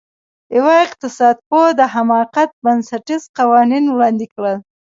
یوه اقتصادپوه د حماقت بنسټیز قوانین وړاندې کړل.